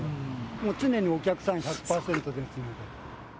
もう常にお客さん１００％ですので。